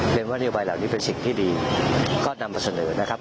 เรียนว่านโยบายเหล่านี้เป็นสิ่งที่ดีก็นำมาเสนอนะครับ